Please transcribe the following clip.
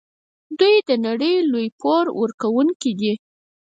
دوی د نړۍ لوی پور ورکوونکي دي.